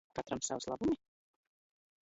Katram savs labumi?